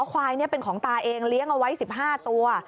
ควายนี้เป็นของตาเองเลี้ยงเอาไว้๑๕ตัว